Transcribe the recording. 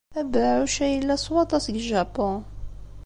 Abeɛɛuc-a yella s waṭas deg Japun.